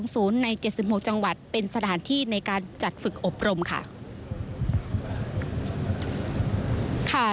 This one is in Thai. ใน๗๖จังหวัดเป็นสถานที่ในการจัดฝึกอบรมค่ะ